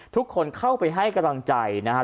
ทุกคนเข้าไปให้กำลังใจนะครับ